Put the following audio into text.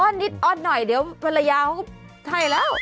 นิดอ้อนหน่อยเดี๋ยวภรรยาเขาก็ให้แล้ว